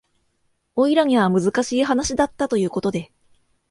オイラには難しい話だったということで